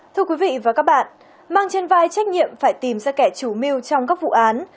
thưa quý vị và các bạn mang trên vai trách nhiệm phải tìm ra kẻ chủ mưu trong các vụ án